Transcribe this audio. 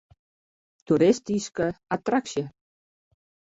Toeristyske attraksje.